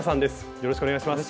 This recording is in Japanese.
よろしくお願いします。